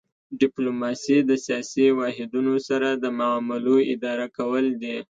ډیپلوماسي د سیاسي واحدونو سره د معاملو اداره کول دي